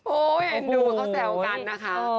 โอ้ยดูว่าเค้าแซวกันนะคะ